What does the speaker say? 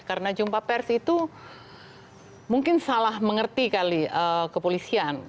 karena jumpa pers itu mungkin salah mengerti kali kepolisian